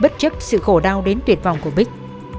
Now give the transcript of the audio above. bất chấp sự khổ đau đến tuyệt vọng của bích